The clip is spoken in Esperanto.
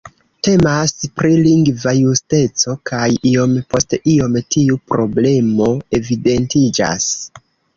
Temas pri lingva justeco kaj iom post iom tiu problemo evidentiĝas.